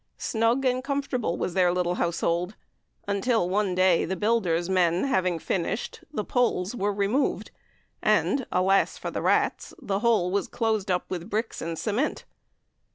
Snug and comfortable was the little household, until, one day, the builder's men having finished, the poles were removed, and alas! for the rats the hole was closed up with bricks and cement.